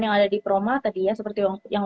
yang ada di proma tadi ya seperti yang